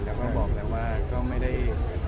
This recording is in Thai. แต่ก็บอกแล้วว่าก็ไม่ได้